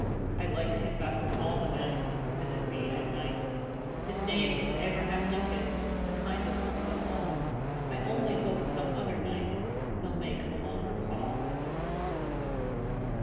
I liked him best of all the men Who visit me at night. His name is Abraham Lincoln, The kindest of them all. I only hope some other night He'll make a longer call.